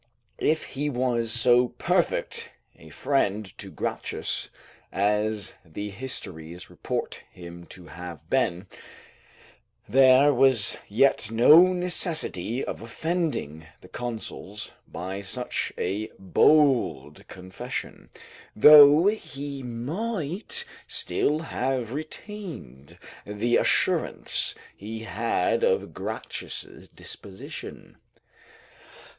If he was so perfect a friend to Gracchus as the histories report him to have been, there was yet no necessity of offending the consuls by such a bold confession, though he might still have retained the assurance he had of Gracchus' disposition.